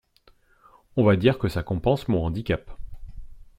On va dire que ça compense mon handicap.